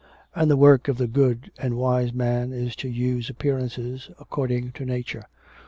And the work of the good and wise man is to use appearances according to Nature.